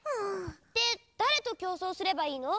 でだれときょうそうすればいいの？